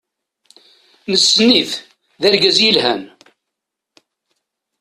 Nessen-it, d argaz yelhan.